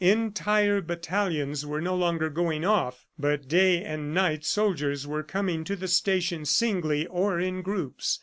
Entire battalions were no longer going off, but day and night soldiers were coming to the station singly or in groups.